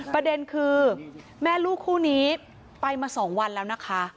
ประเด็นคือแม่ลูกคู่นี้ไปมา๒วันแล้วนะคะ